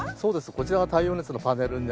こちらが太陽熱のパネルになります。